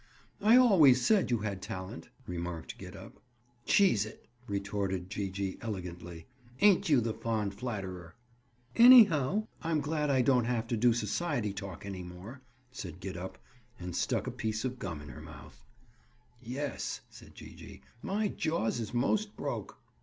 "I always said you had talent," remarked Gid up. "Cheese it," retorted Gee gee elegantly. "Ain't you the fond flatterer!" "Anyhow, I'm glad I don't have to do society talk any more," said Gid up, and stuck a piece of gum in her mouth. "Yes," said Gee gee, "my jaws is most broke."